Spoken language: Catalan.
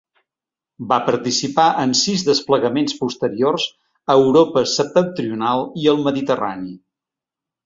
Va participar en sis desplegaments posteriors a Europa septentrional i el Mediterrani.